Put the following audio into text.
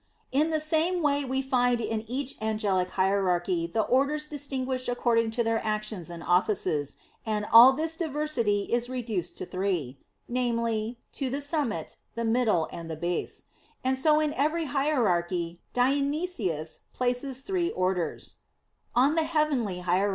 In the same way we find in each angelic hierarchy the orders distinguished according to their actions and offices, and all this diversity is reduced to three namely, to the summit, the middle, and the base; and so in every hierarchy Dionysius places three orders (Coel. Hier.